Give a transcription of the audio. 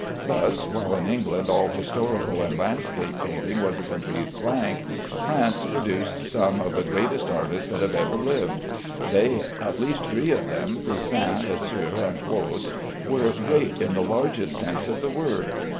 Thus, while in England all historical and landscape painting was a complete blank, France produced some of the greatest artists that have ever lived. They (at least three of them, Poussin, Lesueur, and Claude) were great in the largest sense of the word.